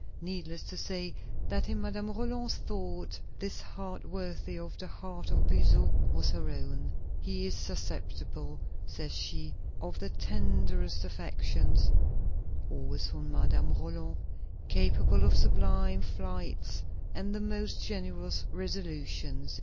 Needless to say that in Madame Roland's thought, this heart worthy of the heart of Buzot was her own. "He is susceptible," says she, "of the tenderest affections" (always for Madame Roland), "capable of sublime flights and the most generous resolutions."